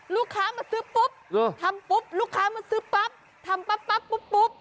ลูกค้ามาซื้อปุ๊บทำปุ๊บลูกค้ามาซื้อปั๊บทำปั๊บปั๊บปุ๊บปุ๊บ